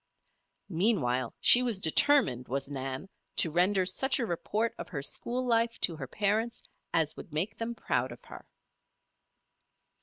Meanwhile she was determined, was Nan, to render such a report of her school life to her parents as would make them proud of her.